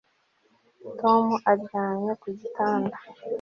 tom aryamye ku gitanda